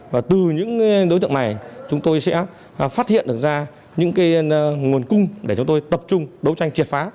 và từ những đối tượng này chúng tôi sẽ phát hiện được ra những nguồn cung để chúng tôi tập trung đấu tranh triệt phá